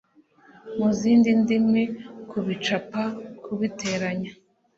mu zindi ndimi kubicapa kubiteranya